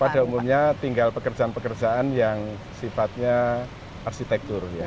pada umumnya tinggal pekerjaan pekerjaan yang sifatnya arsitektur